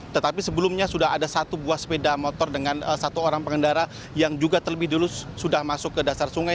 tetapi sebelumnya sudah ada satu buah sepeda motor dengan satu orang pengendara yang juga terlebih dulu sudah masuk ke dasar sungai